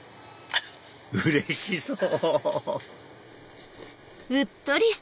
うれしそう！